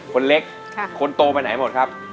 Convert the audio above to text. คนเล็กคนโตไปไหนหมดครับ